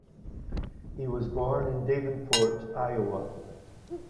He was born in Davenport, Iowa.